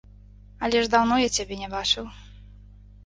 Але ж даўно я цябе не бачыў.